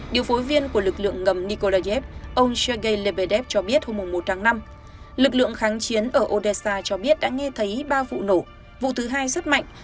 điều phối viên của lực lượng ngầm nikolajev ông sergei lemed cho biết hôm một tháng năm lực lượng kháng chiến ở odessa cho biết đã nghe thấy ba vụ nổ vụ thứ hai rất mạnh